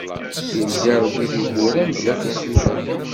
Ileddi Ṛebbi tibbura, mebla tisura.